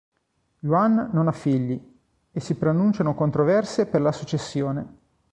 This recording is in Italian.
Yuan non ha figli, e si preannunciano controversie per la successione.